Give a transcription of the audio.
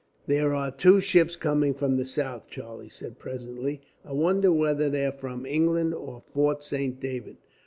"There are two ships coming from the south," Charlie said presently. "I wonder whether they're from England, or Fort Saint David?"